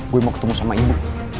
gue mau ketemu sama ibu